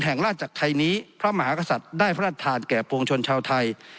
แห่งราชจักรไทยนี้พระมหากษัตริย์ได้พระราชทานแก่ปวงชนชาวไทย